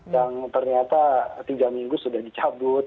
yang ternyata tiga minggu sudah dicabut